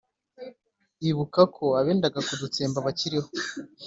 Ibuka ko abendaga kudutsemba bakiriho